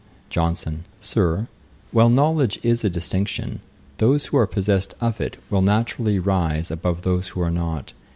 JOHNSON. 'Sir, while knowledge is a distinction, those who are possessed of it will naturally rise above those who are not.